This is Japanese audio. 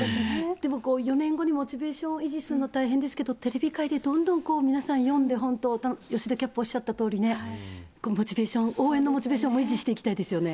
でも４年後にモチベーションを維持するの大変ですけど、テレビ界でどんどんこう、皆さん呼んで、吉田キャプテンおっしゃったようにね、モチベーション、応援のモチベーションも維持していきたいですよね。